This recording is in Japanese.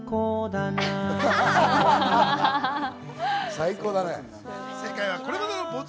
最高だね！